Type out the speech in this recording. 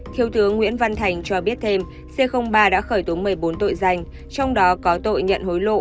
thiếu tướng nguyễn văn thành cho biết thêm c ba đã khởi tố một mươi bốn tội danh trong đó có tội nhận hối lộ